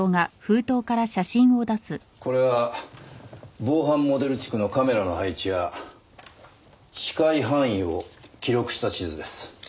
これは防犯モデル地区のカメラの配置や視界範囲を記録した地図です。